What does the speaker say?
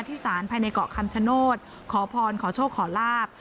ที่ศาลภายในเกาะคำชโนธขอพรขอโชคขอลาบ